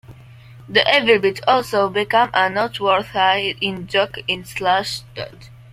The evil bit also became a noteworthy in-joke in Slashdot.